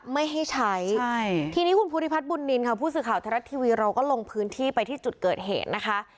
ไม่ให้ใช้ทีนี้คุณภูริพัฒนบุญนินค่ะผู้สื่อข่าวไทยรัฐทีวีเราก็ลงพื้นที่ไปที่จุดเกิดเหตุนะคะ